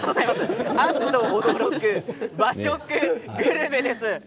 あっと驚く和食グルメです。